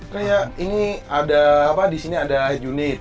kayak ini ada apa disini ada head unit